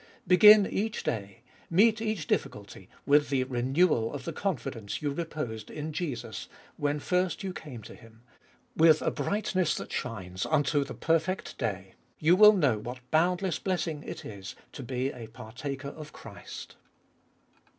Begin each day, meet each difficulty, with the renewal of the confidence you reposed in Jesus, when first you came to Him ; with a brightness that shines unto the perfect day you will know what boundless blessing it is to be a partaker of Christ.